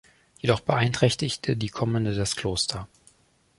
Jedoch beeinträchtigte die Kommende das Kloster.